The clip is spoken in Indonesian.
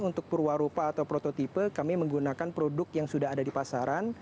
untuk perwarupa atau prototipe kami menggunakan produk yang sudah ada di pasaran